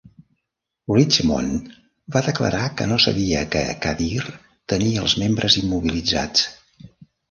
Richmond va declarar que no sabia que Kadir tenia els membres immobilitzats.